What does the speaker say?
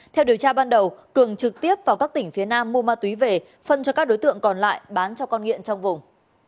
theo điều tra ban đầu cường trực tiếp vào các tỉnh phía nam mua ma túy về phân cho các đối tượng còn lại bán cho con nghiện trong vùng